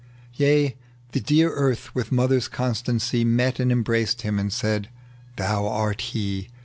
Yea, the dear Earth, with mother's constancy, Met and emhraced him, and said, " Thou art he